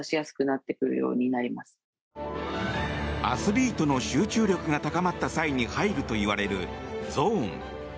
アスリートの集中力が高まった際に入るといわれるゾーン。